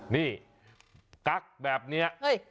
นี่กั๊กแบบนี้